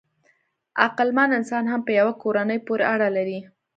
عقلمن انسان هم په یوه کورنۍ پورې اړه لري.